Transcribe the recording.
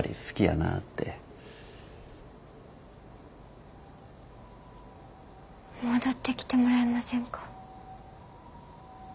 戻ってきてもらえませんか？